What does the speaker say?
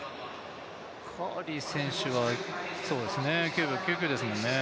カーリー選手は９秒９９ですもんね。